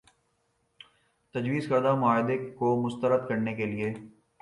تجویزکردہ معاہدے کو مسترد کرنے کے لیے